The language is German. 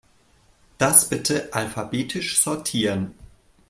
Das bitte alphabetisch sortieren.